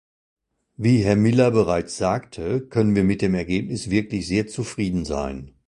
Wie Herr Miller bereits sagte, können wir mit dem Ergebnis wirklich sehr zufrieden sein.